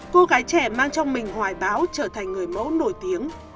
cô gái trẻ mang trong mình hoài báo trở thành người mẫu nổi tiếng